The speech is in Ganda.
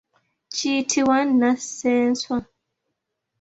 Kiyitibwa nnassenswa.